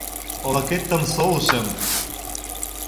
Олыкетым солышым.